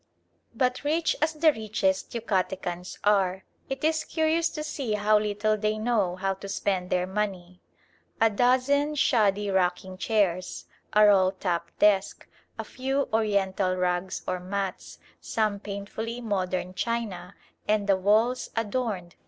But rich as the richest Yucatecans are, it is curious to see how little they know how to spend their money. A dozen shoddy rocking chairs, a roll top desk, a few Oriental rugs or mats, some painfully modern china, and the walls adorned